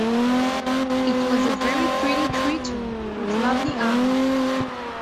It was a very pretty creature, with lovely eyes.